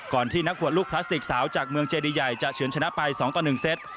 ก่อนที่นักหัวลูกพลาสติกสาวจากเมืองเจดียัยจะเฉินชนะไป๒๑เซ็ต